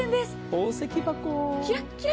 宝石箱。